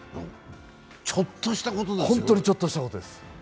本当にちょっとしたことです。